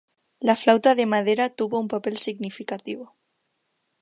La flauta de madera tuvo un papel significativo.